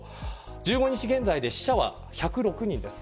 １５日現在で死者は１０６人です。